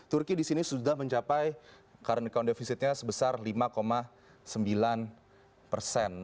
turki di sini sudah mencapai current account defisitnya sebesar lima sembilan persen